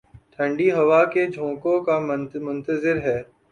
ٹھنڈی ہوا کے جھونکوں کا منتظر ہے